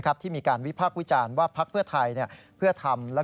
กรณีนี้ทางด้านของประธานกรกฎาได้ออกมาพูดแล้ว